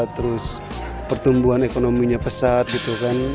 terus pertumbuhan ekonominya pesat